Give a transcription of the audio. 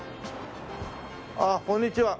ああこんにちは。